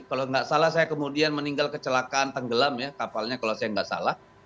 kalau tidak salah saya kemudian meninggal kecelakaan tenggelam ya kapalnya kalau saya nggak salah